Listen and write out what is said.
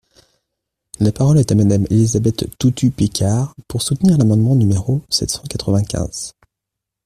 La parole est à Madame Élisabeth Toutut-Picard, pour soutenir l’amendement numéro sept cent quatre-vingt-quinze.